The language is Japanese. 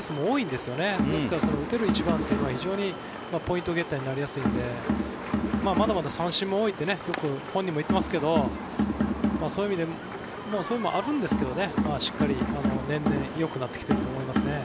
ですから打てる１番というのは非常にポイントゲッターになりやすいんでまだまだ三振も多いって本人も言っていますけどそういう意味で、あるんですけどしっかり、年々よくなってきてると思いますね。